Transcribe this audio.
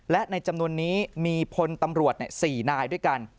และในจำนวนนี้มีพลตำรวจ๔นายด้วยกัน